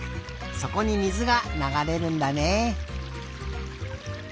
そこに水がながれるんだね。